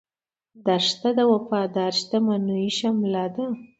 دښته د وفادار شتمنو شمله ده.